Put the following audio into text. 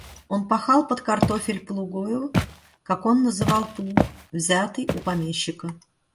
Он пахал под картофель плугою, как он называл плуг, взятый у помещика.